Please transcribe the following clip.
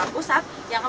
pusat yang akan